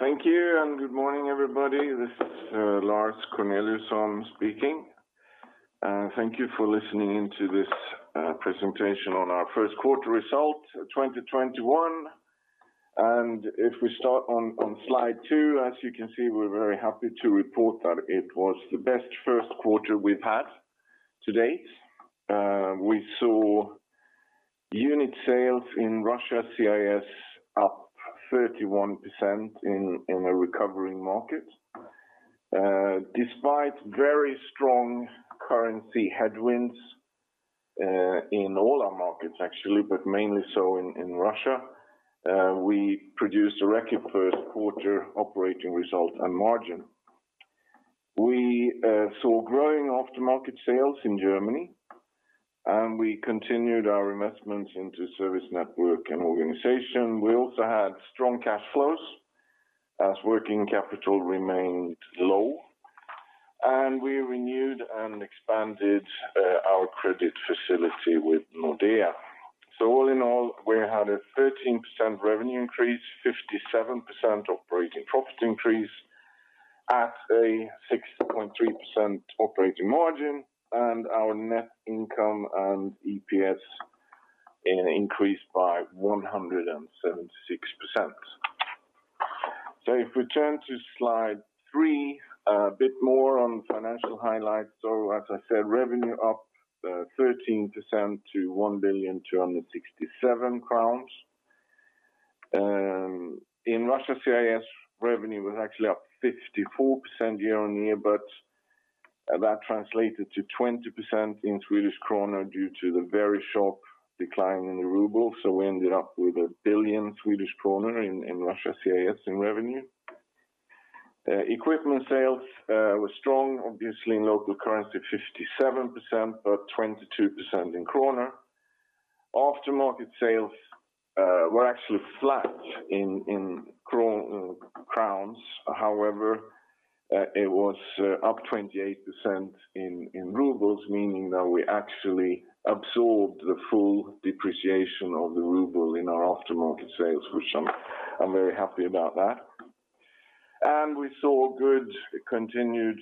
Thank you, and good morning, everybody. This is Lars Corneliusson speaking. Thank you for listening in to this presentation on our Q1 results of 2021. If we start on slide two, as you can see, we're very happy to report that it was the best Q1 we've had to date. We saw unit sales in Russia CIS up 31% in a recovering market. Despite very strong currency headwinds in all our markets, actually, but mainly so in Russia, we produced a record Q1 operating result and margin. We saw growing aftermarket sales in Germany, and we continued our investments into service network and organization. We also had strong cash flows, as working capital remained low, and we renewed and expanded our credit facility with Nordea. All in all, we had a 13% revenue increase, 57% operating profit increase at a 6.3% operating margin, and our net income and EPS increased by 176%. If we turn to slide three, a bit more on financial highlights. As I said, revenue up 13% to 1.267 billion. In Russia/CIS, revenue was actually up 54% year-on-year, but that translated to 20% in SEK due to the very sharp decline in the RUB. We ended up with 1 billion Swedish krona in Russia/CIS in revenue. Equipment sales were strong, obviously in local currency, 57%, but 22% in SEK. Aftermarket sales were actually flat in SEK. However, it was up 28% in RUB, meaning that we actually absorbed the full depreciation of the RUB in our aftermarket sales, which I'm very happy about that. We saw good continued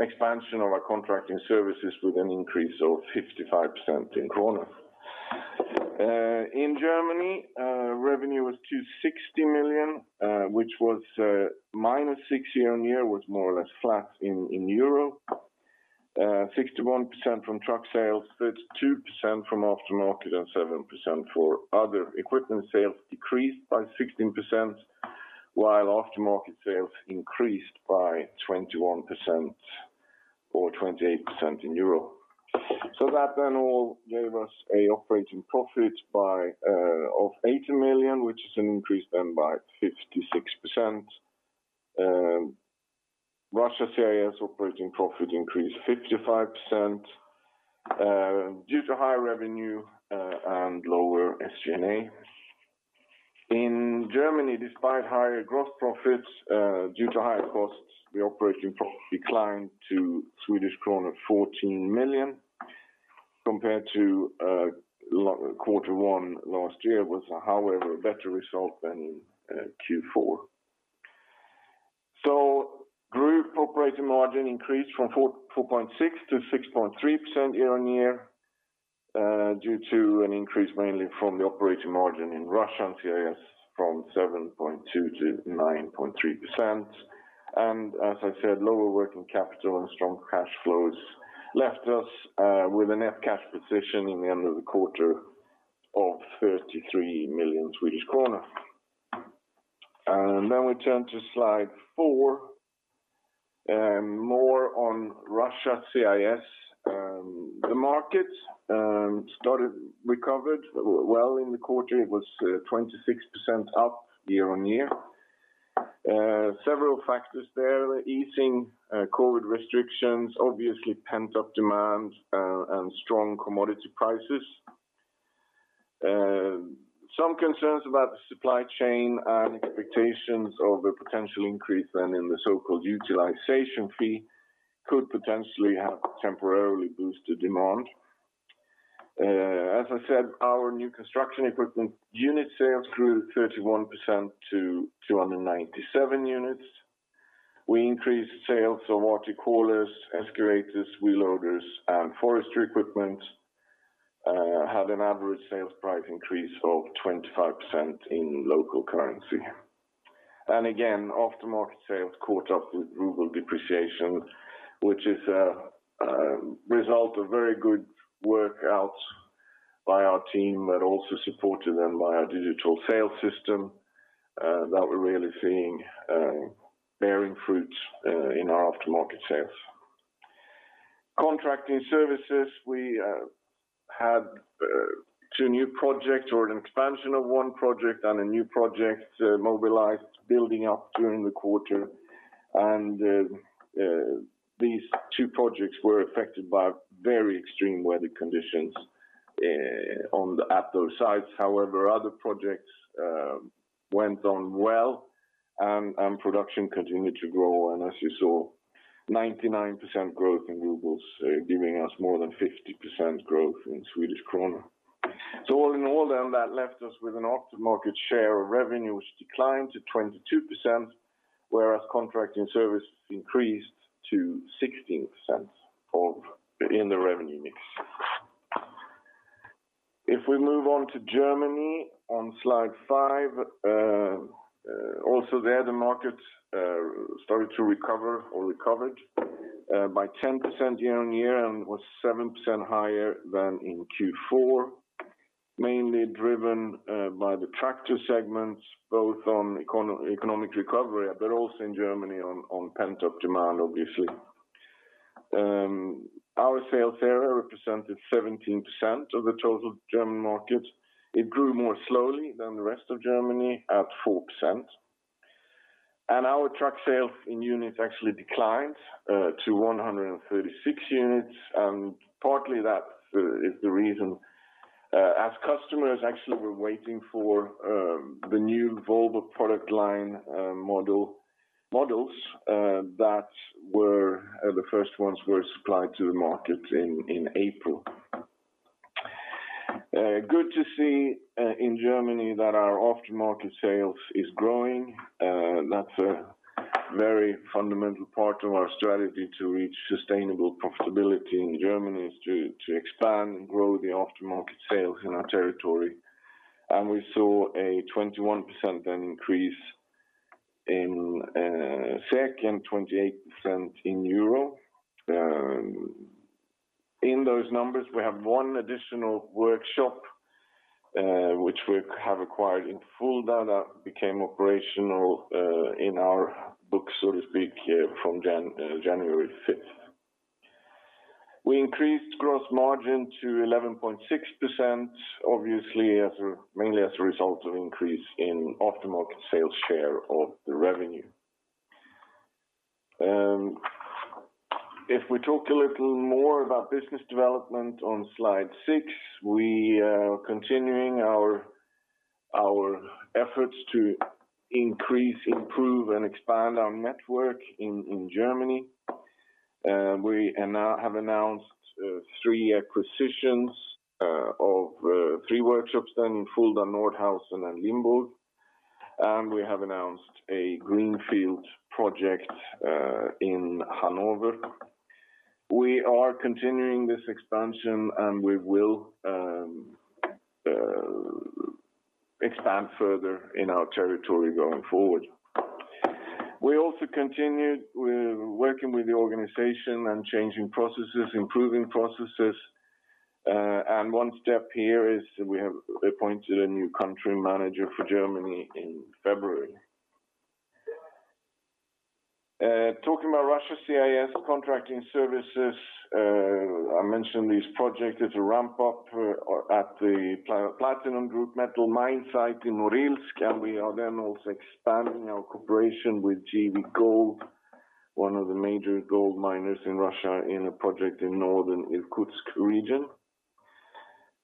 expansion of our contracting services with an increase of 55% in SEK. In Germany, revenue was 260 million, which was -6% year-over-year, was more or less flat in EUR, 61% from truck sales, 32% from aftermarket, and 7% for other. Equipment sales decreased by 16%, while aftermarket sales increased by 21% or 28% in EUR. That in all gave us an operating profit of 80 million, which is an increase then by 56%. Russia/CIS operating profit increased 55%, due to higher revenue and lower SG&A. In Germany, despite higher gross profits due to higher costs, the operating profit declined to Swedish kronor 14 million compared to Q1 last year. It was, however, a better result than in Q4. Group operating margin increased from 4.6%-6.3% year-on-year, due to an increase mainly from the operating margin in Russia and CIS from 7.2%-9.3%. As I said, lower working capital and strong cash flows left us with a net cash position in the end of the quarter of 33 million Swedish kronor. We turn to slide four. More on Russia CIS. The market recovered well in the quarter. It was 26% up year-on-year. Several factors there, easing COVID restrictions, obviously pent-up demand, and strong commodity prices. Some concerns about the supply chain and expectations of a potential increase then in the so-called utilization fee could potentially have temporarily boosted demand. As I said, our new construction equipment unit sales grew 31% to 297 units. We increased sales of articulated haulers, excavators, wheel loaders, and forestry equipment, had an average sales price increase of 25% in local currency. Again, aftermarket sales caught up with RUB depreciation, which is a result of very good work outs by our team that also supported them by our digital sales system that we're really seeing bearing fruits in our aftermarket sales. Contracting services, we had two new projects or an expansion of one project and a new project mobilized, building up during the quarter, and these two projects were affected by very extreme weather conditions at those sites. However, other projects went on well. Production continued to grow, and as you saw, 99% growth in RUB, giving us more than 50% growth in SEK. All in all, that left us with an aftermarket share of revenue, which declined to 22%, whereas contract and service increased to 16% in the revenue mix. If we move on to Germany, on slide five, also there, the market started to recover or recovered by 10% year-over-year and was 7% higher than in Q4, mainly driven by the tractor segments, both on economic recovery but also in Germany on pent-up demand, obviously. Our sales there represented 17% of the total German market. It grew more slowly than the rest of Germany at 4%. Our truck sales in units actually declined to 136 units. Partly that is the reason, as customers actually were waiting for the new Volvo product line models, the first ones were supplied to the market in April. Good to see in Germany that our aftermarket sales is growing. That's a very fundamental part of our strategy to reach sustainable profitability in Germany, is to expand and grow the aftermarket sales in our territory. We saw a 21% increase in SEK and 28% in EUR. In those numbers, we have one additional workshop, which we have acquired in Fulda that became operational in our books, so to speak, from January 5th. We increased gross margin to 11.6%, obviously mainly as a result of increase in aftermarket sales share of the revenue. If we talk a little more about business development on slide six, we are continuing our efforts to increase, improve, and expand our network in Germany. We have announced three acquisitions of three workshops then in Fulda, Nordhausen, and Limburg. We have announced a greenfield project in Hanover. We are continuing this expansion, and we will expand further in our territory going forward. We also continued with working with the organization and changing processes, improving processes. One step here is we have appointed a new country manager for Germany in February. Talking about Russia, CIS, contracting services, I mentioned this project is a ramp-up at the Platinum Group metal mine site in Norilsk, and we are then also expanding our cooperation with GV Gold, one of the major gold miners in Russia, in a project in northern Irkutsk region.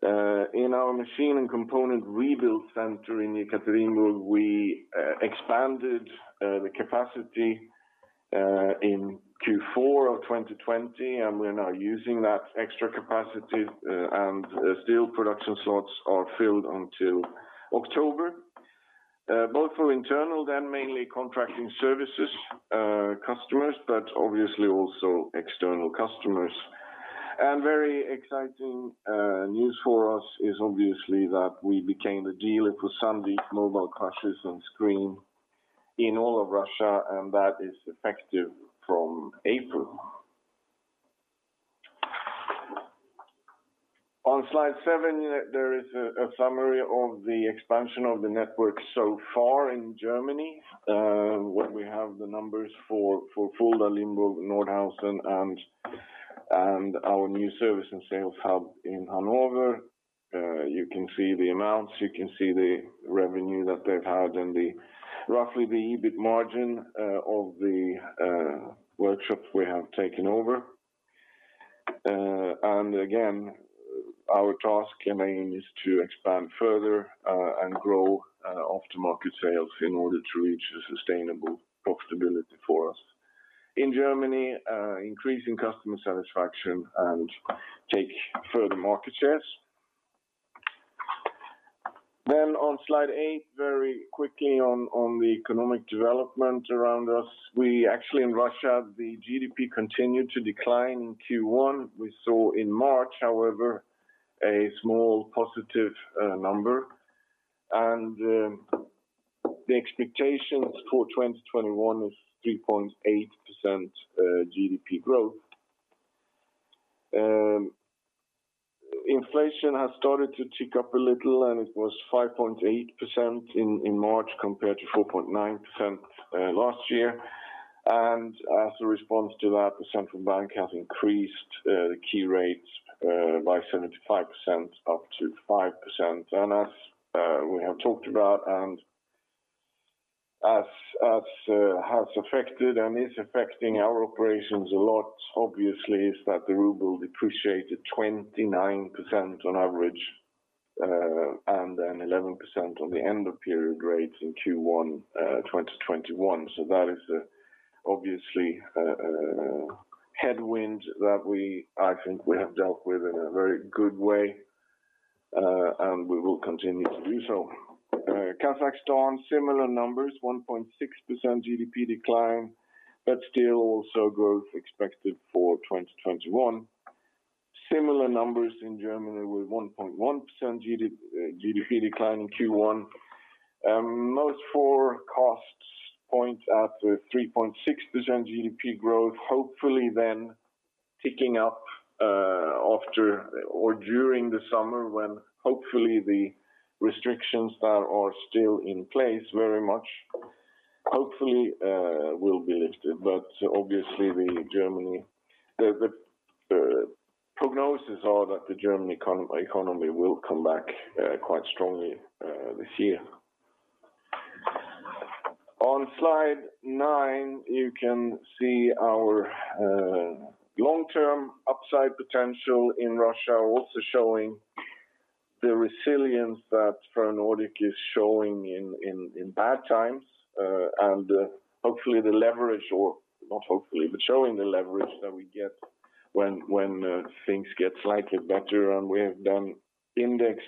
In our machine and component rebuild center in Yekaterinburg, we expanded the capacity in Q4 of 2020, and we are now using that extra capacity, and steel production slots are filled until October, both for internal then mainly contracting services customers, but obviously also external customers. Very exciting news for us is obviously that we became the dealer for Sandvik mobile crushers and screens in all of Russia, and that is effective from April. On slide seven, there is a summary of the expansion of the network so far in Germany, where we have the numbers for Fulda, Limburg, Nordhausen, and our new service and sales hub in Hanover. You can see the amounts, you can see the revenue that they've had and roughly the EBIT margin of the workshops we have taken over. Again, our task and aim is to expand further and grow aftermarket sales in order to reach a sustainable profitability for us. In Germany, increasing customer satisfaction and take further market shares. On slide eight, very quickly on the economic development around us, the GDP continued to decline in Q1. We saw in March, however, a small positive number. The expectations for 2021 is 3.8% GDP growth. Inflation has started to tick up a little, and it was 5.8% in March compared to 4.9% last year. As a response to that, the central bank has increased the key rates by 75% up to 5%. As we have talked about, and as has affected and is affecting our operations a lot, obviously, is that the ruble depreciated 29% on average and then 11% on the end of period rates in Q1 2021. That is obviously a headwind that I think we have dealt with in a very good way, and we will continue to do so. Kazakhstan, similar numbers, 1.6% GDP decline, but still also growth expected for 2021. Similar numbers in Germany with 1.1% GDP decline in Q1. Most forecasts point at a 3.6% GDP growth. Hopefully picking up after or during the summer when hopefully the restrictions that are still in place very much hopefully will be lifted. Obviously, the prognoses are that the German economy will come back quite strongly this year. On slide nine, you can see our long-term upside potential in Russia, also showing the resilience that Ferronordic is showing in bad times. Hopefully the leverage, or not hopefully, but showing the leverage that we get when things get slightly better, we have then indexed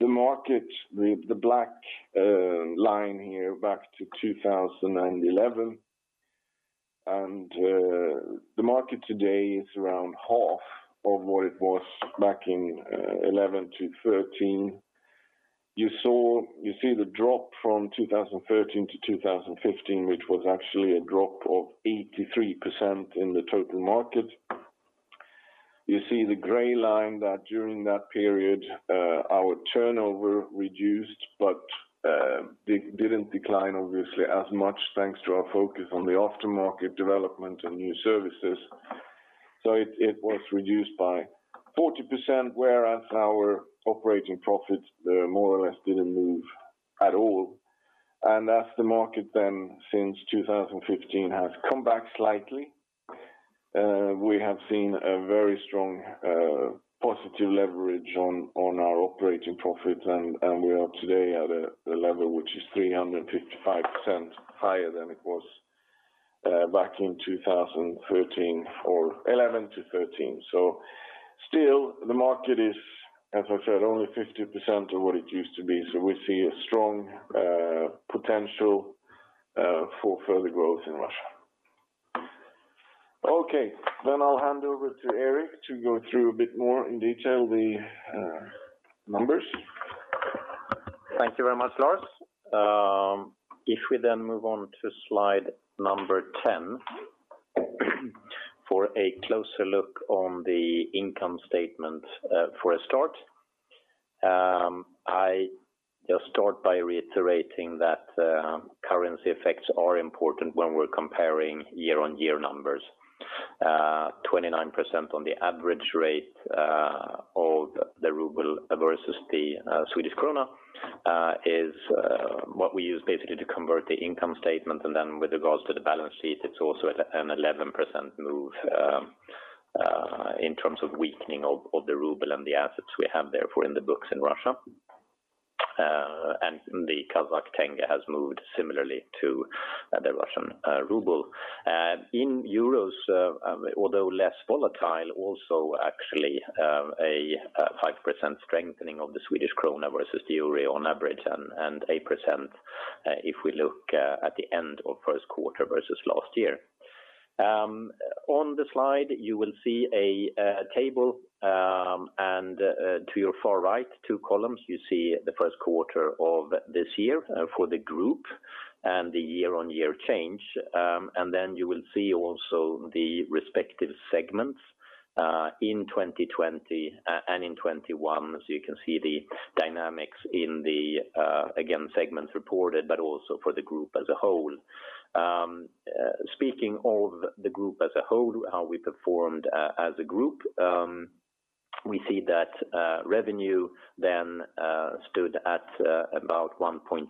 the market, the black line here back to 2011. The market today is around half of what it was back in 2011-2013. You see the drop from 2013 to 2015, which was actually a drop of 83% in the total market. You see the gray line that during that period, our turnover reduced, but didn't decline obviously as much thanks to our focus on the aftermarket development and new services. It was reduced by 40%, whereas our operating profits there more or less didn't move at all. As the market then since 2015 has come back slightly, we have seen a very strong positive leverage on our operating profit. We are today at a level which is 355% higher than it was back in 2013, or 2011 to 2013. Still the market is, as I said, only 50% of what it used to be. We see a strong potential for further growth in Russia. I'll hand over to Erik to go through a bit more in detail the numbers. Thank you very much, Lars. We move on to slide number 10 for a closer look on the income statement for a start. I just start by reiterating that currency effects are important when we're comparing year-on-year numbers. 29% on the average rate of the ruble versus the Swedish krona is what we use basically to convert the income statement, and then with regards to the balance sheet, it's also an 11% move in terms of weakening of the ruble and the assets we have therefore in the books in Russia. The Kazakh tenge has moved similarly to the Russian ruble. In euros although less volatile, also actually a 5% strengthening of the Swedish krona versus the euro on average, and 8% if we look at the end of Q1 versus last year. On the slide, you will see a table, and to your far right, two columns, you see the Q1 of this year for the group and the year-on-year change. You will see also the respective segments in 2020 and in 2021. You can see the dynamics in the, again, segments reported, but also for the group as a whole. Speaking of the group as a whole, how we performed as a group. We see that revenue then stood at about 1.3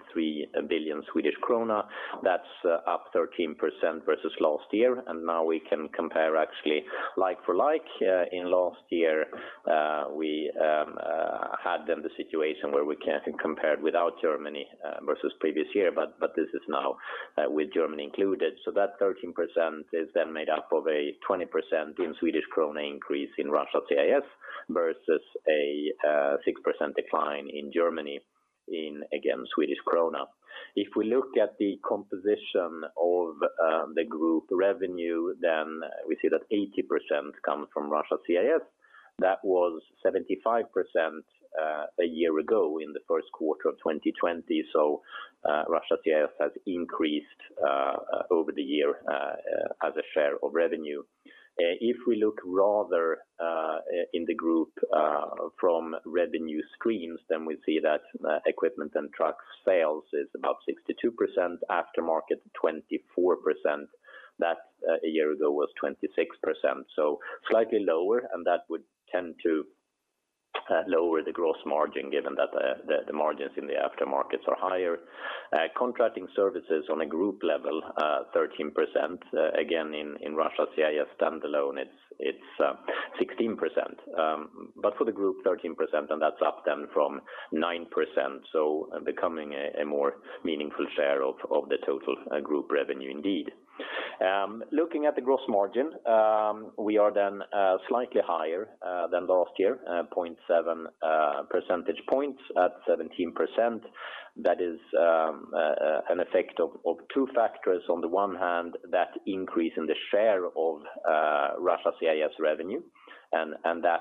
billion Swedish krona. That's up 13% versus last year. Now we can compare actually like for like. In last year, we had then the situation where we can compare it without Germany versus previous year, but this is now with Germany included. That 13% is then made up of a 20% in Swedish krona increase in Russia CAS versus a 6% decline in Germany in, again, Swedish krona. We look at the composition of the group revenue, then we see that 80% comes from Russia CAS. That was 75% a year ago in the Q1 of 2020. Russia CAS has increased over the year as a share of revenue. We look rather in the group from revenue streams, then we see that equipment and trucks sales is about 62%, aftermarket 24%. That a year ago was 26%, so slightly lower and that would tend to lower the gross margin, given that the margins in the aftermarkets are higher. Contracting services on a group level, 13%. Again, in Russia/CIS standalone, it's 16%. For the group, 13%, and that's up then from 9%, so becoming a more meaningful share of the total group revenue indeed. Looking at the gross margin, we are then slightly higher than last year, 0.7 percentage points at 17%. That is an effect of two factors. On the one hand, that increase in the share of Russia/CIS revenue and that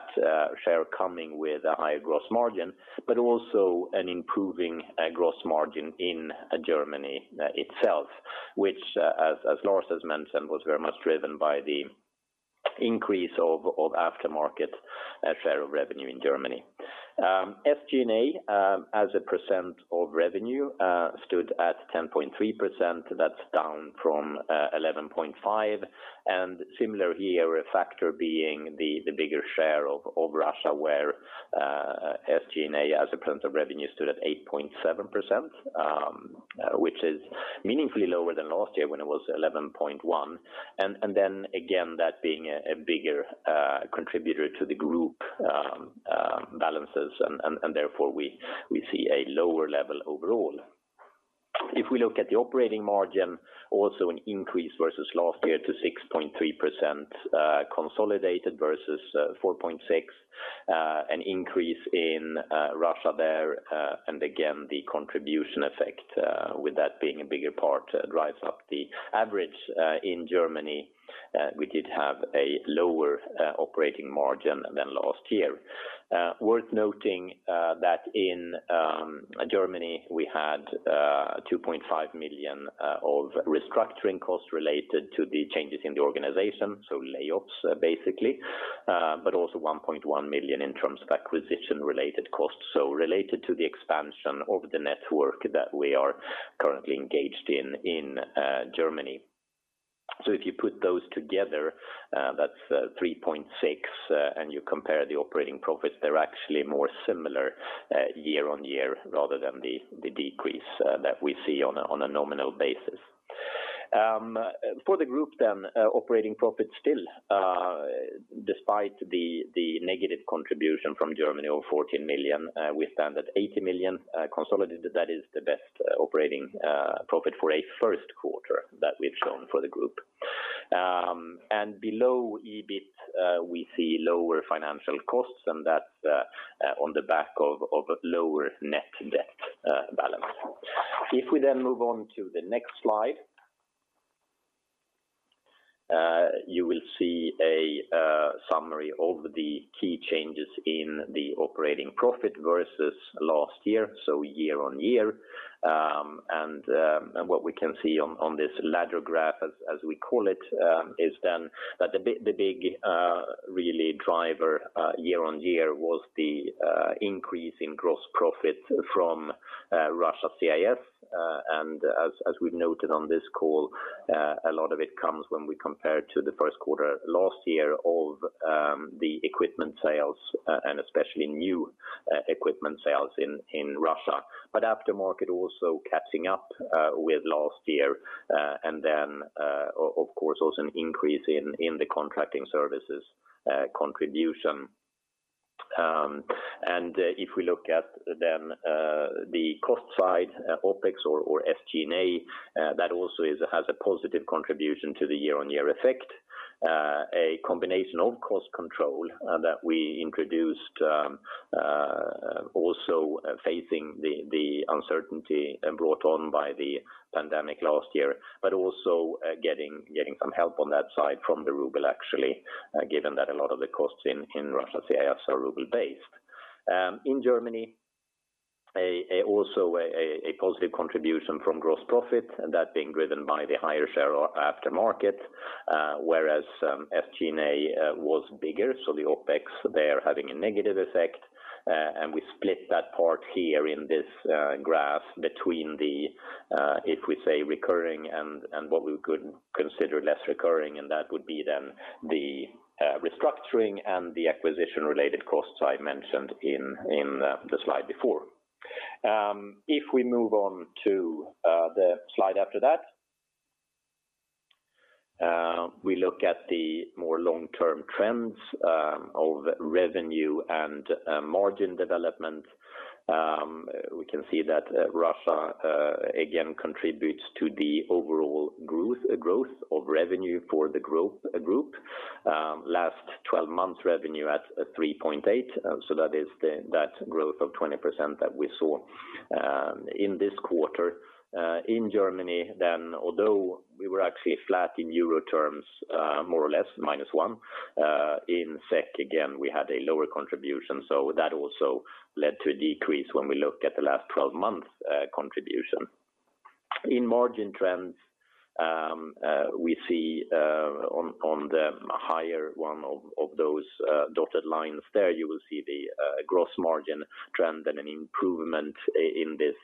share coming with a higher gross margin, but also an improving gross margin in Germany itself, which, as Lars has mentioned, was very much driven by the increase of aftermarket share of revenue in Germany. SG&A as a % of revenue stood at 10.3%. That's down from 11.5%. Similar here, a factor being the bigger share of Russia, where SG&A as a % of revenue stood at 8.7%, which is meaningfully lower than last year when it was 11.1%. Again, that being a bigger contributor to the group balances, therefore we see a lower level overall. If we look at the operating margin, also an increase versus last year to 6.3% consolidated versus 4.6%, an increase in Russia there. Again, the contribution effect with that being a bigger part drives up the average in Germany. We did have a lower operating margin than last year. Worth noting that in Germany, we had 2.5 million of restructuring costs related to the changes in the organization, so layoffs basically, but also 1.1 million in terms of acquisition related costs. Related to the expansion of the network that we are currently engaged in Germany. If you put those together, that's 3.6 million, and you compare the operating profits, they're actually more similar year-on-year rather than the decrease that we see on a nominal basis. For the group, operating profits still, despite the negative contribution from Germany of 14 million, we stand at 80 million consolidated. That is the best operating profit for a Q1 that we've shown for the group. Below EBIT, we see lower financial costs, and that's on the back of lower net debt balance. If we then move on to the next slide you will see a summary of the key changes in the operating profit versus last year, so year-on-year. What we can see on this ladder graph as we call it, is then that the big really driver year-on-year was the increase in gross profit from Russia/CIS. As we've noted on this call, a lot of it comes when we compare to the Q1 last year of the equipment sales and especially new equipment sales in Russia. Aftermarket also catching up with last year and then of course also an increase in the contracting services contribution. If we look at then the cost side, OpEx or SG&A, that also has a positive contribution to the year-over-year effect. A combination of cost control that we introduced also facing the uncertainty brought on by the pandemic last year, but also getting some help on that side from the ruble actually, given that a lot of the costs in Russia/CIS are ruble based. In Germany, also a positive contribution from gross profit, that being driven by the higher share of aftermarket whereas SG&A was bigger, so the OpEx there having a negative effect. We split that part here in this graph between the, if we say recurring and what we could consider less recurring, and that would be then the restructuring and the acquisition related costs I mentioned in the slide before. If we move on to the slide after that, we look at the more long-term trends of revenue and margin development. We can see that Russia again contributes to the overall growth of revenue for the group. Last 12 months revenue at 3.8, so that is that growth of 20% that we saw in this quarter. In Germany then, although we were actually flat in EUR terms, more or less -1%, in SEK, again, we had a lower contribution, that also led to a decrease when we look at the last 12 months contribution. In margin trends, we see on the higher one of those dotted lines there, you will see the gross margin trend and an improvement in this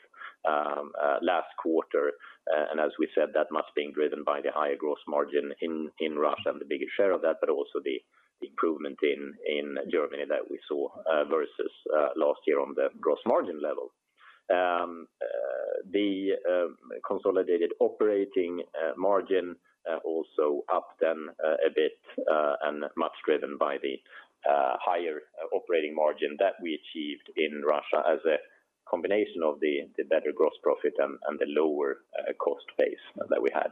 last quarter, and as we said, that must have been driven by the higher gross margin in Russia and the bigger share of that, but also the improvement in Germany that we saw versus last year on the gross margin level. The consolidated operating margin also upped then a bit, and much driven by the higher operating margin that we achieved in Russia as a combination of the better gross profit and the lower cost base that we had.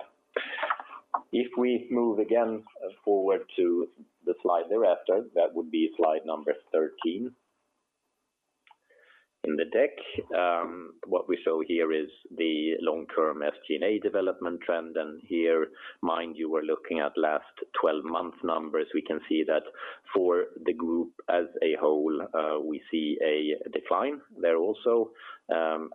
If we move again forward to the slide thereafter, that would be slide number 13 in the deck. What we show here is the long-term SG&A development trend. Here, mind you, we're looking at last 12-month numbers. We can see that for the group as a whole, we see a decline there also.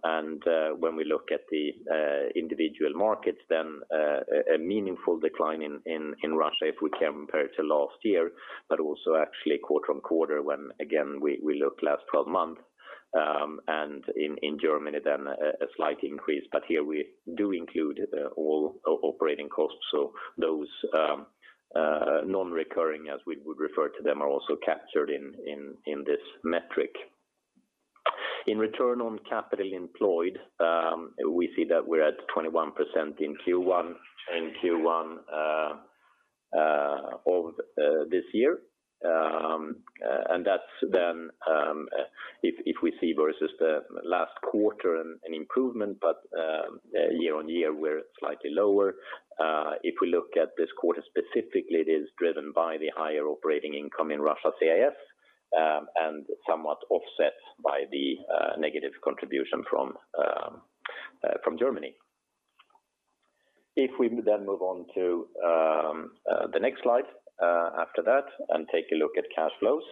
When we look at the individual markets, a meaningful decline in Russia if we compare it to last year, but also actually quarter-over-quarter when again, we look last 12 months. In Germany a slight increase, but here we do include all operating costs. Those non-recurring, as we would refer to them, are also captured in this metric. In return on capital employed, we see that we're at 21% in Q1 of this year. That's if we see versus the last quarter an improvement, but year-over-year we're slightly lower. If we look at this quarter specifically, it is driven by the higher operating income in Russia/CIS, and somewhat offset by the negative contribution from Germany. If we then move on to the next slide after that and take a look at cash flows.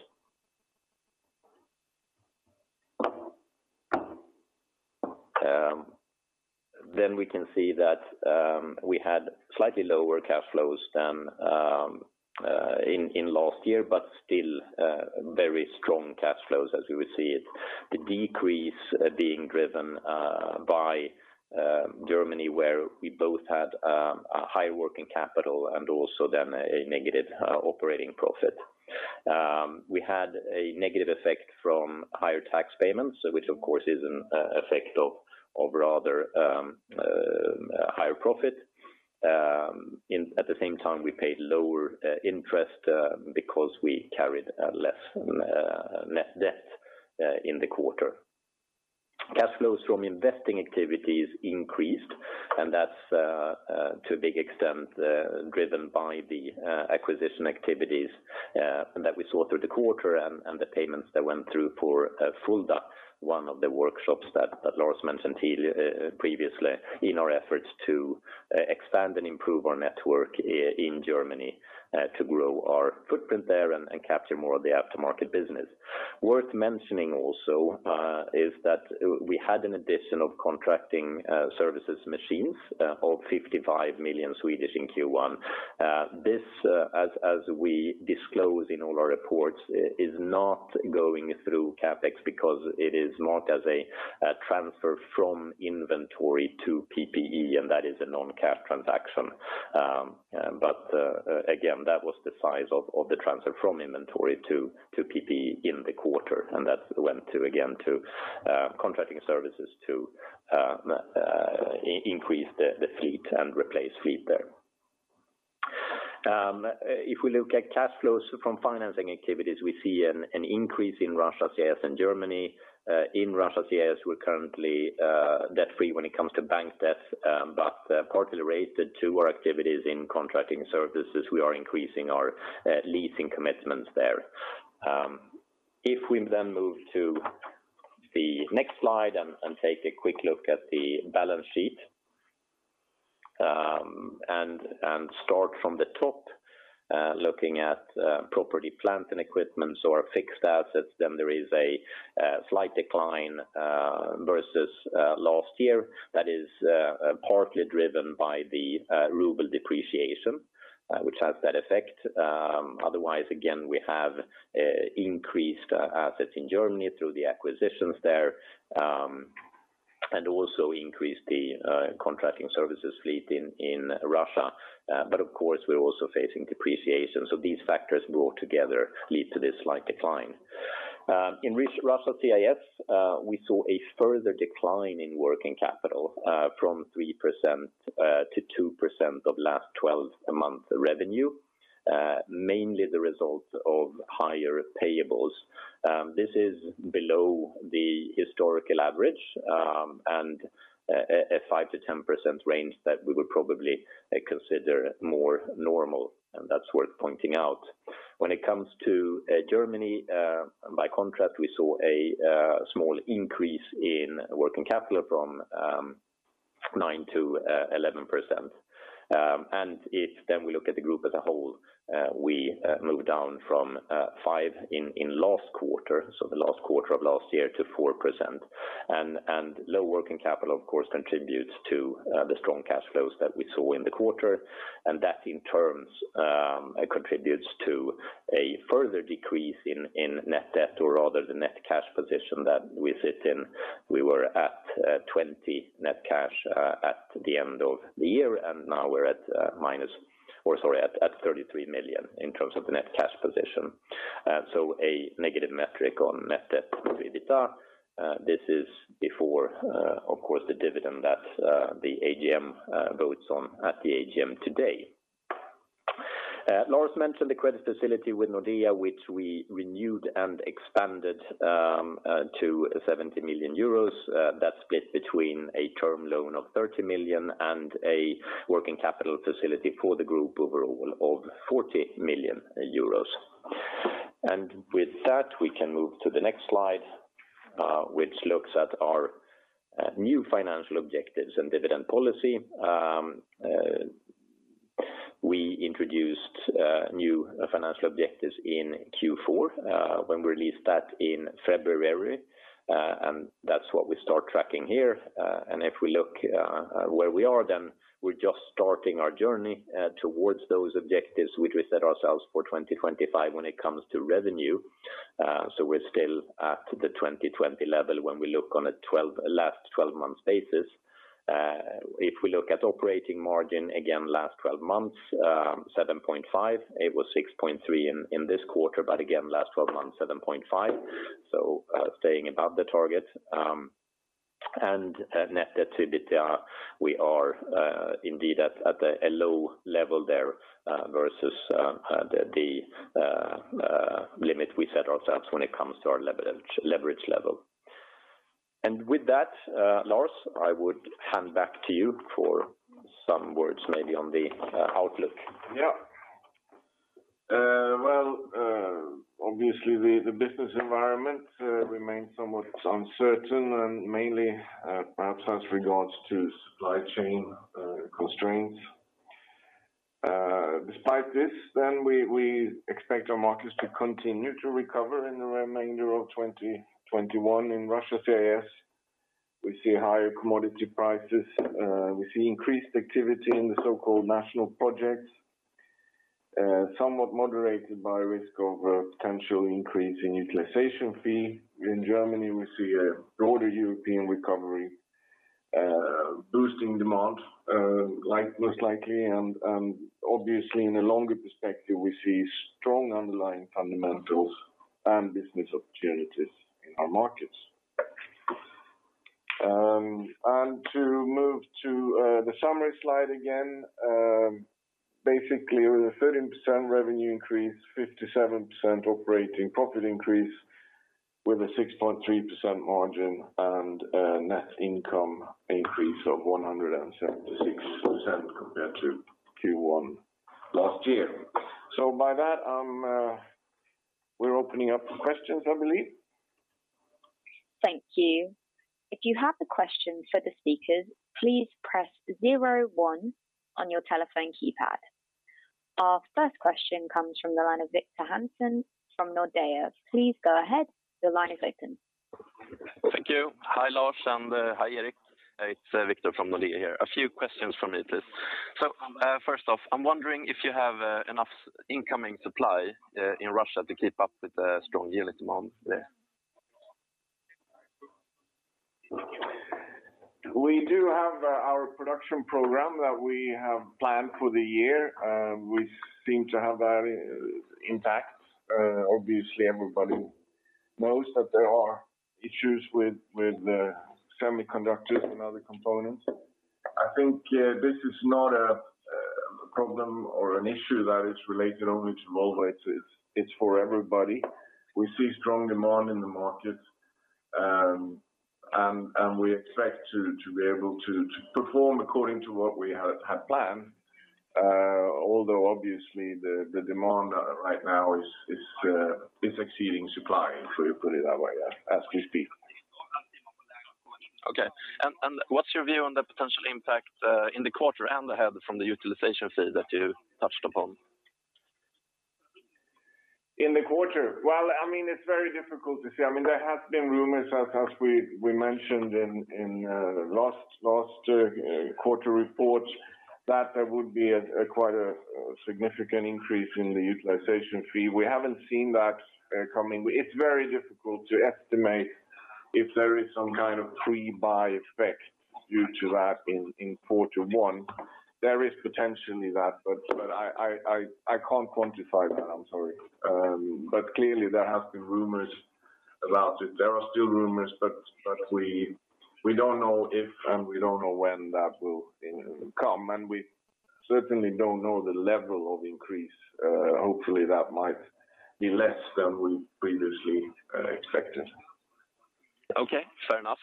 We can see that we had slightly lower cash flows than in last year, but still very strong cash flows as we would see it. The decrease being driven by Germany, where we both had a high working capital and also then a negative operating profit. We had a negative effect from higher tax payments, which of course is an effect of rather higher profit. At the same time, we paid lower interest because we carried less net debt in the quarter. Cash flows from investing activities increased, that's to a big extent driven by the acquisition activities that we saw through the quarter and the payments that went through for Fulda, one of the workshops that Lars mentioned previously in our efforts to expand and improve our network in Germany to grow our footprint there and capture more of the aftermarket business. Worth mentioning also is that we had an addition of contracting services machines of 55 million in Q1. This, as we disclose in all our reports, is not going through CapEx because it is marked as a transfer from inventory to PPE, that is a non-cash transaction. Again, that was the size of the transfer from inventory to PPE in the quarter. That went, again, to contracting services to increase the fleet and replace fleet there. If we look at cash flows from financing activities, we see an increase in Russia/CIS and Germany. In Russia/CIS, we're currently debt-free when it comes to bank debt, partly related to our activities in contracting services. We are increasing our leasing commitments there. If we move to the next slide and take a quick look at the balance sheet and start from the top looking at property, plant, and equipment or fixed assets, there is a slight decline versus last year that is partly driven by the ruble depreciation which has that effect. Otherwise, again, we have increased assets in Germany through the acquisitions there and also increased the contracting services fleet in Russia. Of course, we're also facing depreciation. These factors brought together lead to this slight decline. In Russia/CIS, we saw a further decline in working capital from 3%-2% of last 12-month revenue, mainly the result of higher payables. This is below the historical average and a 5%-10% range that we would probably consider more normal, and that's worth pointing out. When it comes to Germany, by contrast, we saw a small increase in working capital from 9%-11%. If then we look at the group as a whole, we move down from 5% in last quarter, so the last quarter of last year, to 4%. Low working capital, of course, contributes to the strong cash flows that we saw in the quarter. That in turn contributes to a further decrease in net debt or rather the net cash position that we sit in. We were at 20 net cash at the end of the year, now we're at minus, sorry, at 33 million in terms of the net cash position. A negative metric on net debt to EBITDA. This is before, of course, the dividend that the AGM votes on at the AGM today. Lars mentioned the credit facility with Nordea, which we renewed and expanded to 70 million euros. That's split between a term loan of 30 million and a working capital facility for the group overall of 40 million euros. With that, we can move to the next slide, which looks at our new financial objectives and dividend policy. We introduced new financial objectives in Q4 when we released that in February. That's what we start tracking here. If we look where we are, we're just starting our journey towards those objectives, which we set ourselves for 2025 when it comes to revenue. We're still at the 2020 level when we look on a last 12 months basis. If we look at operating margin, again, last 12 months, 7.5%. It was 6.3% in this quarter, again, last 12 months, 7.5%. Net debt to EBITDA, we are indeed at a low level there, versus the limit we set ourselves when it comes to our leverage level. With that, Lars, I would hand back to you for some words maybe on the outlook. Yeah. Well, obviously the business environment remains somewhat uncertain and mainly perhaps as regards to supply chain constraints. Despite this then, we expect our markets to continue to recover in the remainder of 2021. In Russia, CIS, we see higher commodity prices. We see increased activity in the so-called national projects, somewhat moderated by risk of a potential increase in utilization fee. In Germany, we see a broader European recovery, boosting demand most likely. Obviously in the longer perspective, we see strong underlying fundamentals and business opportunities in our markets. To move to the summary slide again, basically with a 13% revenue increase, 57% operating profit increase with a 6.3% margin and a net income increase of 176% compared to Q1 last year. By that, we're opening up for questions, I believe. Thank you. If you have a question for the speakers, please press zero one on your telephone keypad. Our first question comes from the line of Victor Hansen from Nordea. Please go ahead. Your line is open. Thank you. Hi, Lars, and hi, Erik. It's Victor from Nordea here. A few questions from me, please. First off, I'm wondering if you have enough incoming supply in Russia to keep up with the strong unit demand there. We do have our production program that we have planned for the year, which seem to have that impact. Obviously, everybody knows that there are issues with the semiconductors and other components. I think this is not a problem or an issue that is related only to Volvo. It's for everybody. We see strong demand in the market. We expect to be able to perform according to what we had planned. Although obviously the demand right now is exceeding supply, if we put it that way, as we speak. Okay. What's your view on the potential impact in the quarter and ahead from the utilization fee that you touched upon? In the quarter? Well, it's very difficult to say. There have been rumors as we mentioned in last quarter reports that there would be quite a significant increase in the utilization fee. We haven't seen that coming. It's very difficult to estimate if there is some kind of pre-buy effect due to that in quarter one. There is potentially that, but I can't quantify that. I'm sorry. Clearly there have been rumors about it. There are still rumors, but we don't know if, and we don't know when that will come, and we certainly don't know the level of increase. Hopefully, that might be less than we previously expected. Okay, fair enough.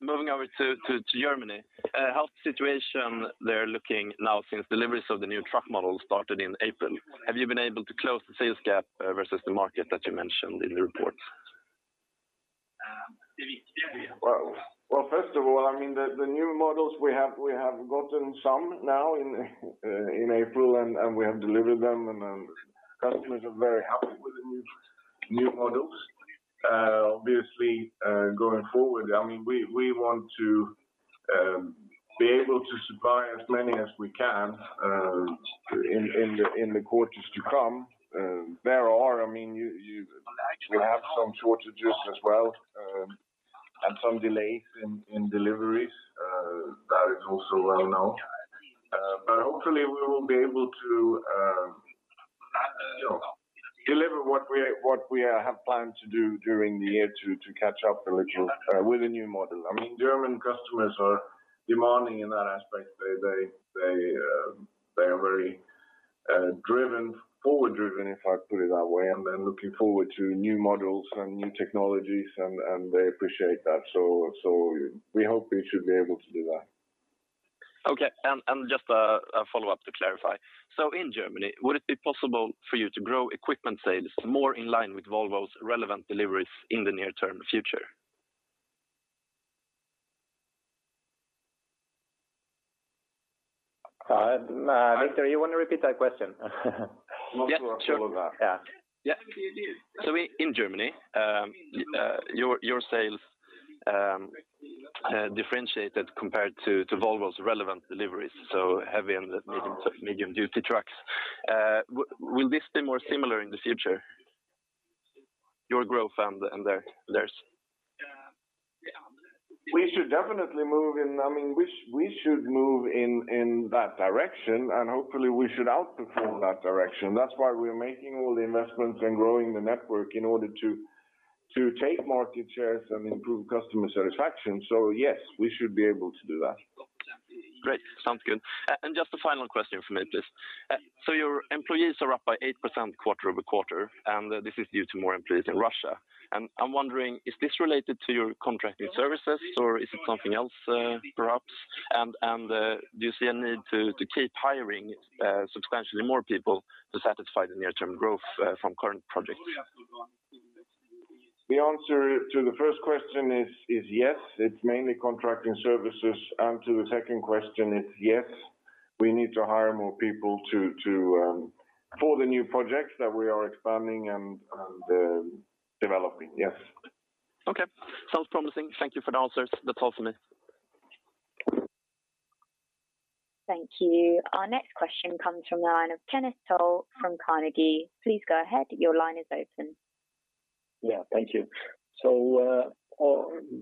Moving over to Germany. How's the situation there looking now since deliveries of the new truck model started in April? Have you been able to close the sales gap versus the market that you mentioned in the report? Well, first of all, the new models we have gotten some now in April, and we have delivered them, and customers are very happy with the new models. Obviously, going forward, we want to be able to supply as many as we can in the quarters to come. We have some shortages as well. Some delays in deliveries, that is also well known. Hopefully we will be able to deliver what we have planned to do during the year to catch up a little with the new model. German customers are demanding in that aspect. They are very forward-driven, if I put it that way, and looking forward to new models and new technologies, and they appreciate that. We hope we should be able to do that. Okay. Just a follow-up to clarify. In Germany, would it be possible for you to grow equipment sales more in line with Volvo's relevant deliveries in the near-term future? Victor, you want to repeat that question? Yes, sure. I'm not sure I follow that. Yeah. In Germany, your sales differentiated compared to Volvo's relevant deliveries, so heavy and medium-duty trucks. Will this be more similar in the future, your growth and theirs? We should move in that direction, hopefully, we should outperform that direction. That's why we're making all the investments and growing the network in order to take market shares and improve customer satisfaction. Yes, we should be able to do that. Great. Sounds good. Just a final question from me, please. Your employees are up by 8% quarter-over-quarter, and this is due to more employees in Russia. I'm wondering, is this related to your contracting services or is it something else, perhaps? Do you see a need to keep hiring substantially more people to satisfy the near-term growth from current projects? The answer to the first question is yes, it's mainly contracting services. To the second question is yes, we need to hire more people for the new projects that we are expanding and developing. Yes. Okay. Sounds promising. Thank you for the answers. That is all from me. Thank you. Our next question comes from the line of Kenneth Toll Johansson from Carnegie. Please go ahead. Your line is open. Yeah, thank you.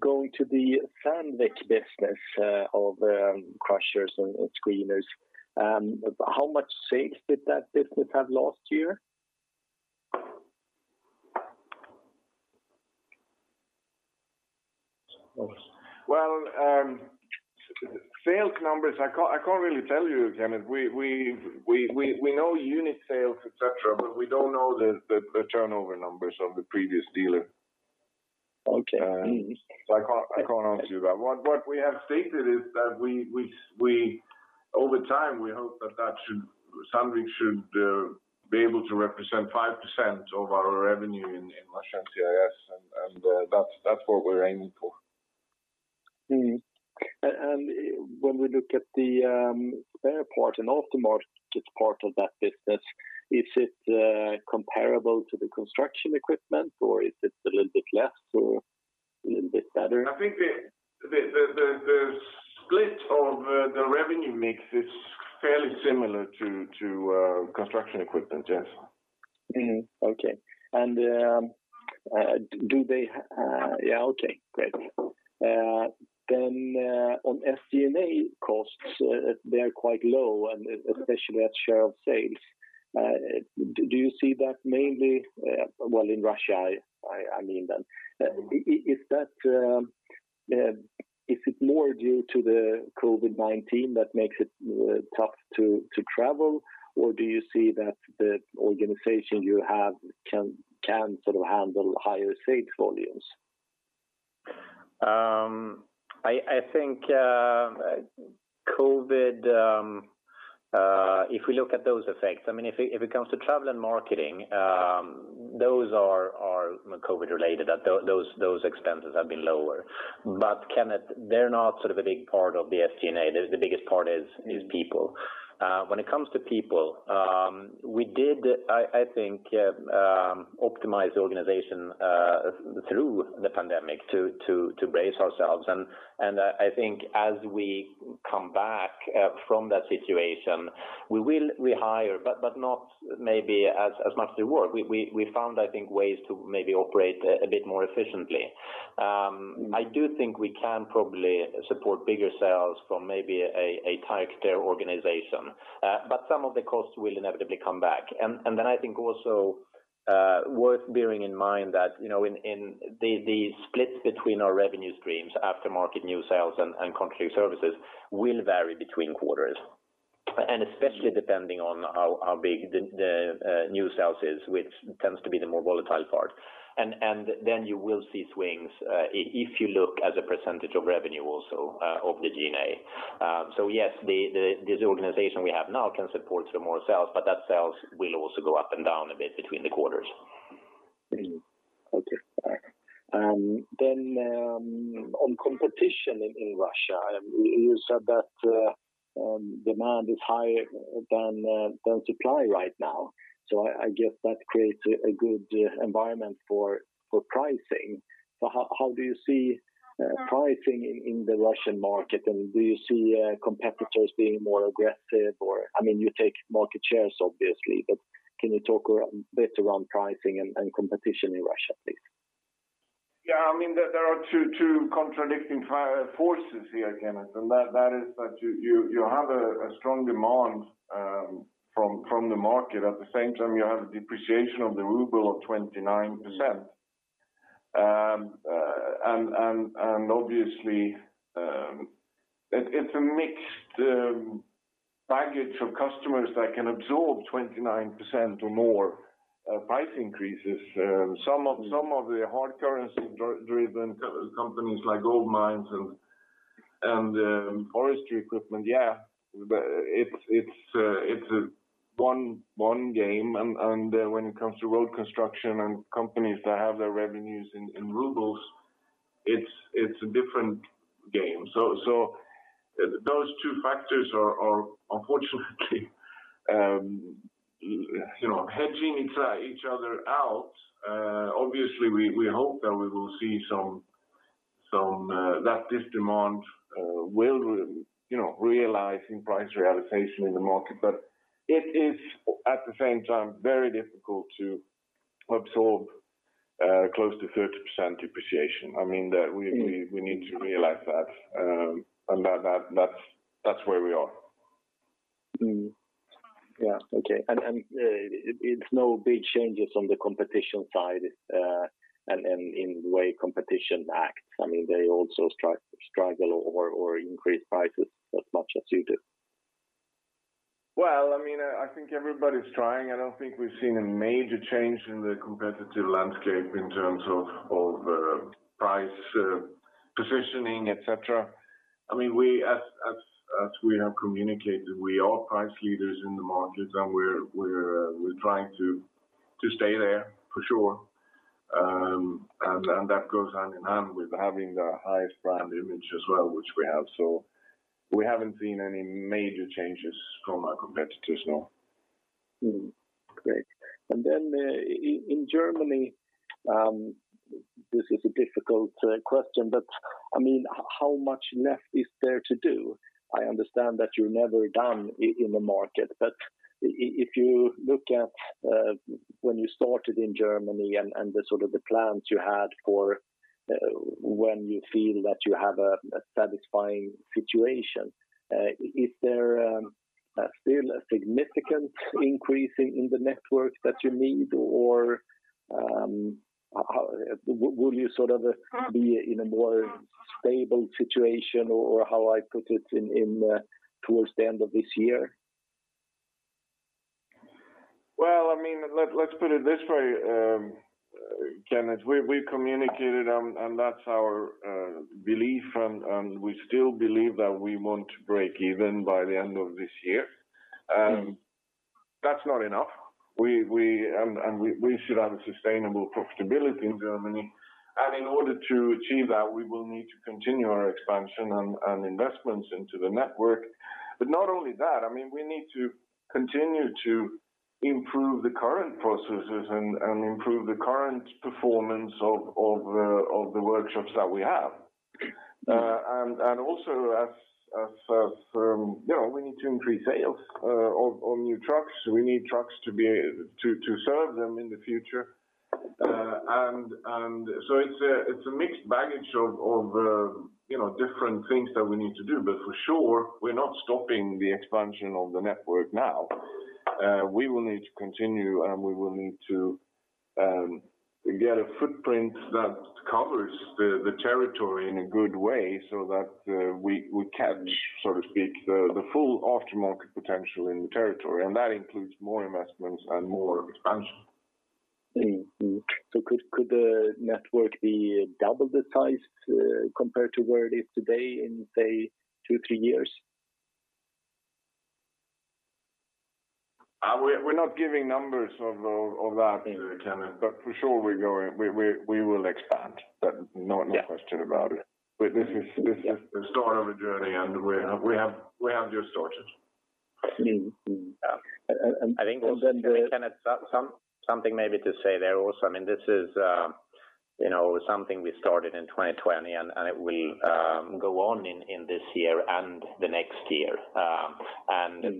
Going to the Sandvik business of crushers and screens, how much sales did that business have last year? Well, sales numbers, I can't really tell you, Kenneth. We know unit sales, et cetera, but we don't know the turnover numbers of the previous dealer. Okay. I can't answer you that. What we have stated is that, over time, we hope that Sandvik should be able to represent 5% of our revenue in Russia and CIS, and that's what we're aiming for. When we look at the spare parts and aftermarket part of that business, is it comparable to the construction equipment, or is it a little bit less or a little bit better? I think the split of the revenue mix is fairly similar to construction equipment. Yes. Okay. Great. On SG&A costs, they are quite low, especially as share of sales. Do you see that mainly, well, in Russia? Is it more due to the COVID-19 that makes it tough to travel, or do you see that the organization you have can handle higher sales volumes? I think COVID, if we look at those effects, if it comes to travel and marketing, those are COVID related. Those expenses have been lower. Kenneth, they're not a big part of the SG&A. The biggest part is people. When it comes to people, we did, I think, optimize the organization through the pandemic to brace ourselves. I think as we come back from that situation, we will rehire, but not maybe as much as they were. We found, I think, ways to maybe operate a bit more efficiently. I do think we can probably support bigger sales from maybe a tighter organization. Some of the costs will inevitably come back. I think also worth bearing in mind that the splits between our revenue streams, aftermarket new sales and contracting services, will vary between quarters, and especially depending on how big the new sales is, which tends to be the more volatile part. You will see swings, if you look as a percentage of revenue also of the G&A. Yes, this organization we have now can support some more sales, but that sales will also go up and down a bit between the quarters. Okay. On competition in Russia, you said that demand is higher than supply right now. I guess that creates a good environment for pricing. How do you see pricing in the Russian market, and do you see competitors being more aggressive? You take market shares, obviously, can you talk a bit around pricing and competition in Russia, please? There are two contradicting forces here, Kenneth. That is that you have a strong demand from the market, at the same time you have a depreciation of the RUB of 29%. Obviously, it's a mixed baggage of customers that can absorb 29% or more price increases. Some of the hard currency-driven companies like gold mines and forestry equipment. It's a one game, and when it comes to road construction and companies that have their revenues in RUB, it's a different game. Those two factors are unfortunately hedging each other out. Obviously, we hope that we will see that this demand will realize in price realization in the market. It is, at the same time, very difficult to absorb close to 30% depreciation. We need to realize that. That's where we are. Yeah, okay. It's no big changes on the competition side and in the way competition acts. They also struggle or increase prices as much as you do. Well, I think everybody's trying. I don't think we've seen a major change in the competitive landscape in terms of price positioning, et cetera. As we have communicated, we are price leaders in the market, and we're trying to stay there, for sure. That goes hand in hand with having the highest brand image as well, which we have. We haven't seen any major changes from our competitors, no. Great. In Germany, this is a difficult question, but how much left is there to do? I understand that you're never done in the market. If you look at when you started in Germany and the plans you had for when you feel that you have a satisfying situation, is there still a significant increase in the network that you need? Will you be in a more stable situation or how I put it, towards the end of this year? Well, let's put it this way, Kenneth. We've communicated, and that's our belief, and we still believe that we want to break even by the end of this year. That's not enough. We should have sustainable profitability in Germany. In order to achieve that, we will need to continue our expansion and investments into the network. Not only that, we need to continue to improve the current processes and improve the current performance of the workshops that we have. Also, we need to increase sales of new trucks. We need trucks to serve them in the future. It's a mixed baggage of different things that we need to do. For sure, we're not stopping the expansion of the network now. We will need to continue, and we will need to get a footprint that covers the territory in a good way, so that we catch, so to speak, the full aftermarket potential in the territory, and that includes more investments and more expansion. Mm-hmm. Could the network be double the size compared to where it is today in, say, two, three years? We're not giving numbers of that, Kenneth, but for sure we will expand. Yeah. No question about it. This is the start of a journey, and we have just started. I think, Kenneth, something maybe to say there also. This is something we started in 2020. It will go on in this year and the next year.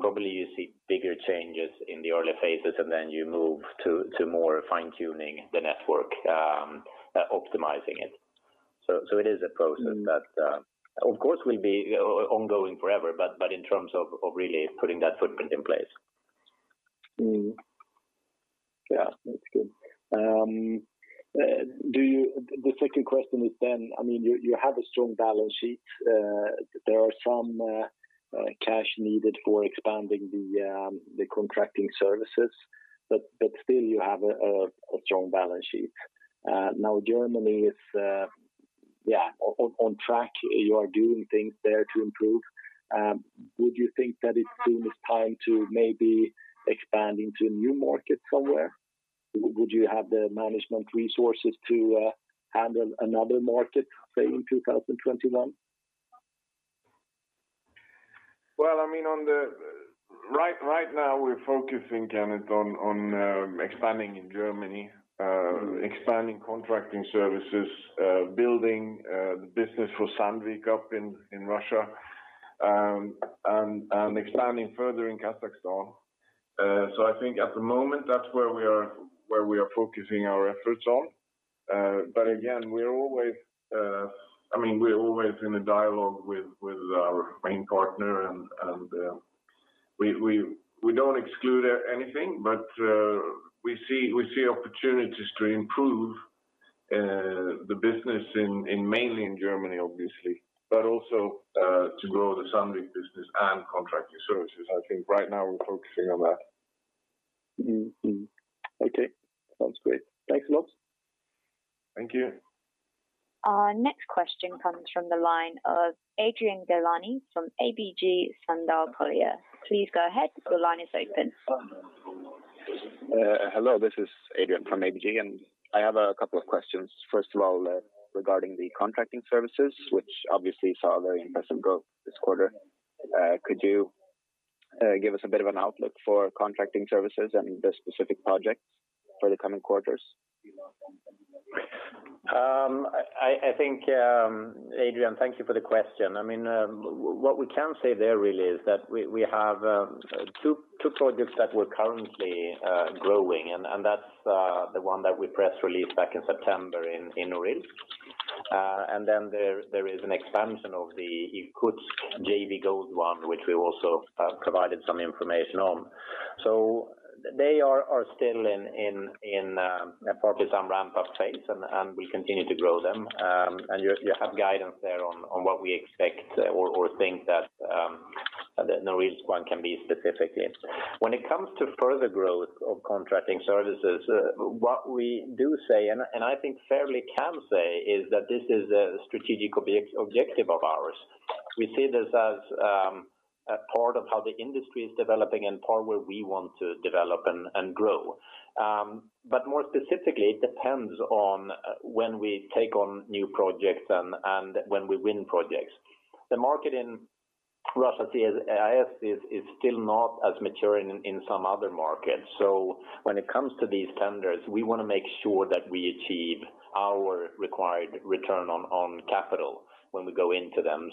Probably you see bigger changes in the early phases, and then you move to more fine-tuning the network, optimizing it. It is a process that of course will be ongoing forever, but in terms of really putting that footprint in place. Mm-hmm. Yeah, that's good. The second question is, you have a strong balance sheet. There are some cash needed for expanding the contracting services. Still, you have a strong balance sheet. Germany is on track. You are doing things there to improve. Would you think that it soon is time to maybe expand into new markets somewhere? Would you have the management resources to handle another market, say, in 2021? Well, right now we're focusing, Kenneth, on expanding in Germany, expanding contracting services, building the business for Sandvik up in Russia, expanding further in Kazakhstan. I think at the moment, that's where we are focusing our efforts on. Again, we're always in a dialogue with our main partner, and we don't exclude anything, but we see opportunities to improve the business mainly in Germany, obviously, but also to grow the Sandvik business and contracting services. I think right now we're focusing on that. Okay. Sounds great. Thanks a lot. Thank you. Our next question comes from the line of Adrian Gilani from ABG Sundal Collier. Please go ahead. Your line is open. Hello, this is Adrian from ABG, and I have a couple of questions. First of all, regarding the contracting services, which obviously saw very impressive growth this quarter. Could you give us a bit of an outlook for contracting services and the specific projects for the coming quarters? Adrian, thank you for the question. What we can say there really is that we have two projects that we're currently growing, and that's the one that we press released back in September in Norilsk. Then there is an expansion of the Irkutsk GV Gold one, which we also provided some information on. They are still in probably some ramp-up phase, and we continue to grow them. You have guidance there on what we expect or think that the Norilsk one can be specifically. When it comes to further growth of contracting services, what we do say, and I think fairly can say, is that this is a strategic objective of ours. We see this as a part of how the industry is developing and part where we want to develop and grow. More specifically, it depends on when we take on new projects and when we win projects. The market in Russia, CIS, is still not as mature in some other markets. When it comes to these tenders, we want to make sure that we achieve our required return on capital when we go into them.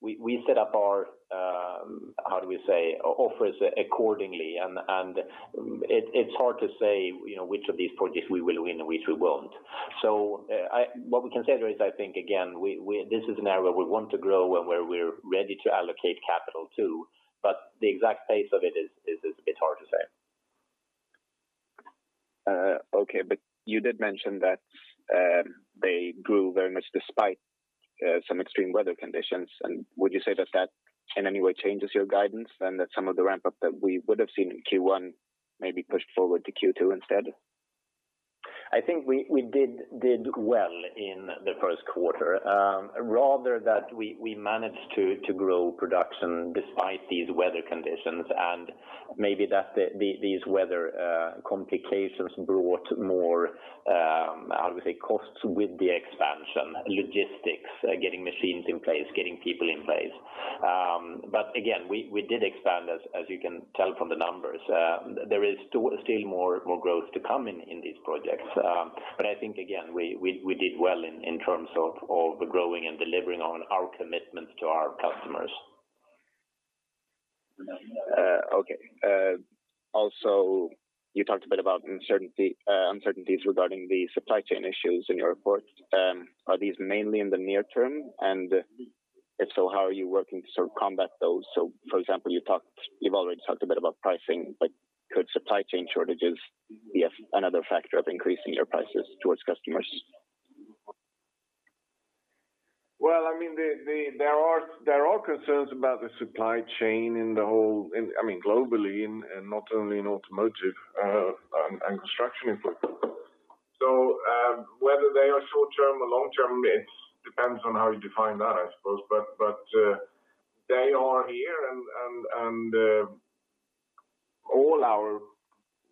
We set up our, how do we say, offers accordingly, and it's hard to say which of these projects we will win and which we won't. What we can say there is, I think, again, this is an area we want to grow and where we're ready to allocate capital too, but the exact pace of it is a bit hard to say. Okay. You did mention that they grew very much despite some extreme weather conditions. Would you say that that in any way changes your guidance and that some of the ramp-up that we would have seen in Q1 may be pushed forward to Q2 instead? I think we did well in the Q1. Rather that we managed to grow production despite these weather conditions and maybe that these weather complications brought more, how do we say, costs with the expansion, logistics, getting machines in place, getting people in place. Again, we did expand, as you can tell from the numbers. There is still more growth to come in these projects. I think, again, we did well in terms of the growing and delivering on our commitments to our customers. Okay. Also, you talked a bit about uncertainties regarding the supply chain issues in your report. Are these mainly in the near term? If so, how are you working to combat those? For example, you've already talked a bit about pricing, but could supply chain shortages be another factor of increasing your prices towards customers? Well, there are concerns about the supply chain globally, and not only in automotive and construction equipment. Whether they are short-term or long-term, it depends on how you define that, I suppose. They are here, and all our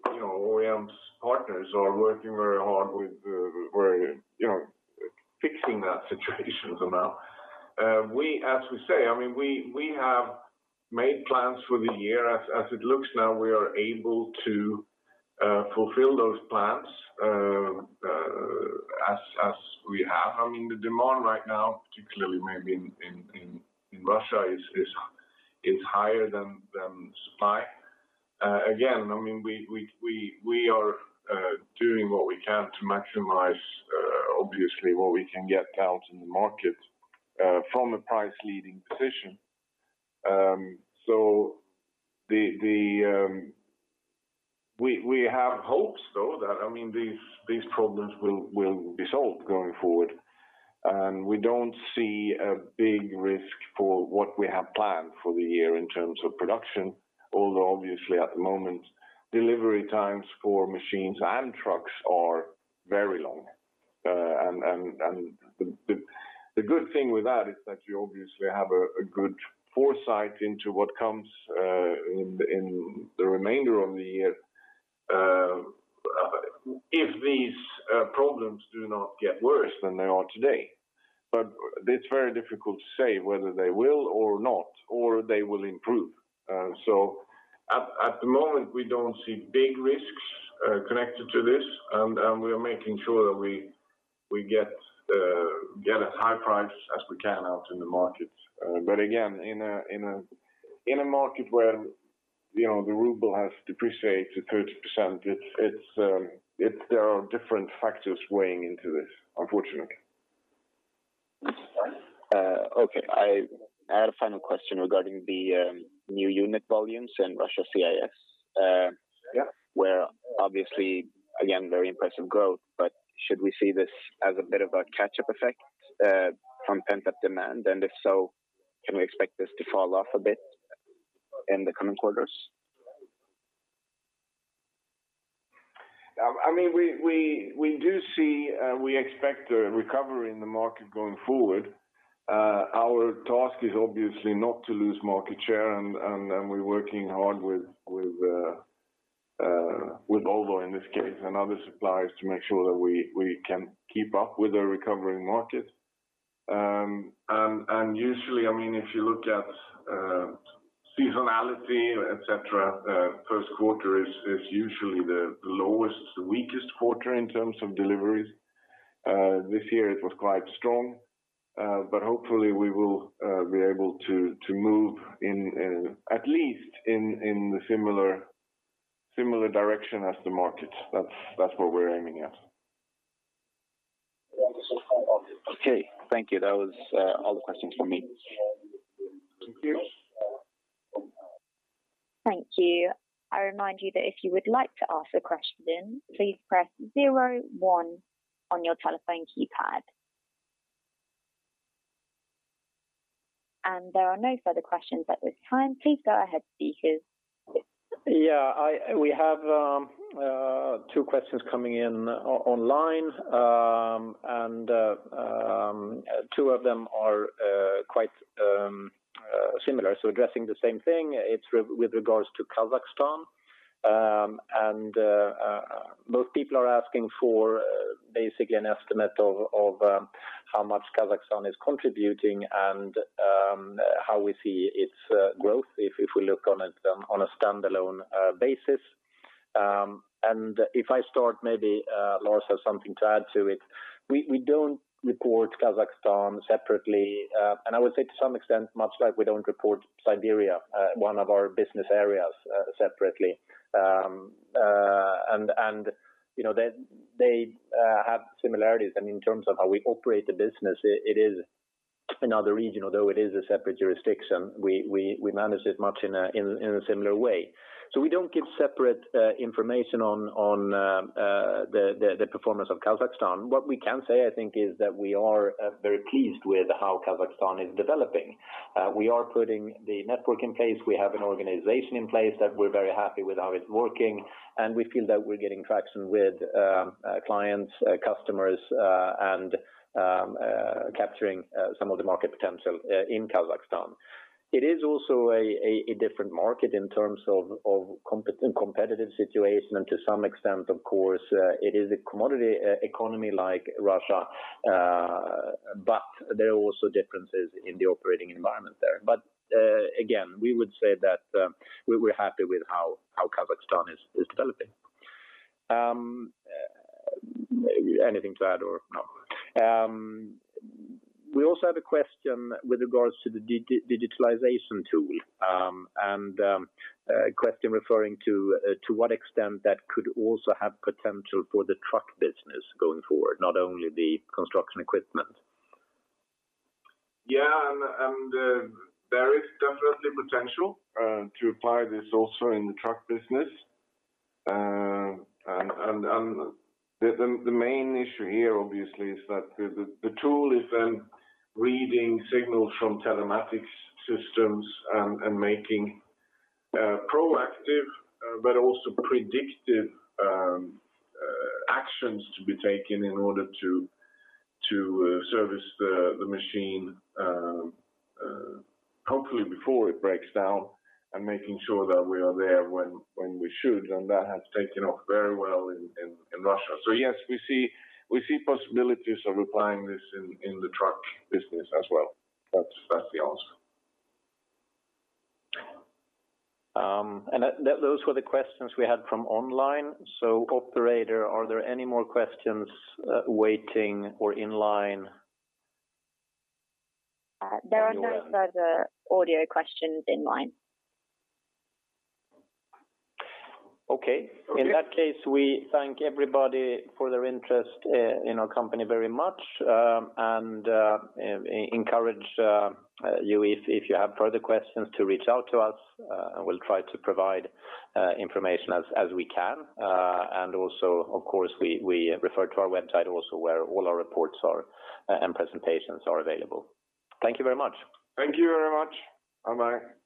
OEM partners are working very hard with fixing that situation for now. As we say, we have made plans for the year. As it looks now, we are able to fulfill those plans as we have. The demand right now, particularly maybe in Russia, is higher than supply. Again, we are doing what we can to maximize, obviously, what we can get out in the market from a price-leading position. We have hopes, though, that these problems will be solved going forward. We don't see a big risk for what we have planned for the year in terms of production, although obviously at the moment, delivery times for machines and trucks are very long. The good thing with that is that you obviously have a good foresight into what comes in the remainder of the year, if these problems do not get worse than they are today. It's very difficult to say whether they will or not, or they will improve. At the moment, we don't see big risks connected to this, and we are making sure that We get as high price as we can out in the market. Again, in a market where the ruble has depreciated to 30%, there are different factors weighing into this, unfortunately. Okay. I had a final question regarding the new unit volumes in Russia/CIS. Yeah. where obviously, again, very impressive growth, but should we see this as a bit of a catch-up effect from pent-up demand? If so, can we expect this to fall off a bit in the coming quarters? We expect a recovery in the market going forward. Our task is obviously not to lose market share, we're working hard with Volvo in this case, and other suppliers to make sure that we can keep up with the recovering market. Usually, if you look at seasonality, et cetera, Q1 is usually the lowest, weakest quarter in terms of deliveries. This year it was quite strong. Hopefully we will be able to move at least in the similar direction as the market. That's what we're aiming at. Okay. Thank you. That was all the questions from me. Thank you. Thank you. I remind you that if you would like to ask a question, please press zero one on your telephone keypad. There are no further questions at this time. Please go ahead, speakers. Yeah. We have two questions coming in online, two of them are quite similar. Addressing the same thing, it's with regards to Kazakhstan. Most people are asking for basically an estimate of how much Kazakhstan is contributing and how we see its growth if we look on a standalone basis. If I start, maybe Lars has something to add to it. We don't report Kazakhstan separately. I would say to some extent, much like we don't report Siberia, one of our business areas, separately. They have similarities in terms of how we operate the business. It is another region, although it is a separate jurisdiction. We manage it much in a similar way. We don't give separate information on the performance of Kazakhstan. What we can say, I think, is that we are very pleased with how Kazakhstan is developing. We are putting the network in place. We have an organization in place that we're very happy with how it's working. We feel that we're getting traction with clients, customers, and capturing some of the market potential in Kazakhstan. It is also a different market in terms of competitive situation, and to some extent, of course, it is a commodity economy like Russia. There are also differences in the operating environment there. Again, we would say that we're happy with how Kazakhstan is developing. Anything to add or no? We also have a question with regards to the digitalization tool, and a question referring to what extent that could also have potential for the truck business going forward, not only the construction equipment. Yeah. There is definitely potential to apply this also in the truck business. The main issue here obviously is that the tool is then reading signals from telematics systems and making proactive, but also predictive actions to be taken in order to service the machine, hopefully before it breaks down, and making sure that we are there when we should. That has taken off very well in Russia. Yes, we see possibilities of applying this in the truck business as well. That's the answer. Those were the questions we had from online. Operator, are there any more questions waiting or in line? There are no further audio questions in line. Okay. Okay. In that case, we thank everybody for their interest in our company very much. We encourage you, if you have further questions, to reach out to us, and we'll try to provide information as we can. Also, of course, we refer to our website also where all our reports and presentations are available. Thank you very much. Thank you very much. Bye-bye.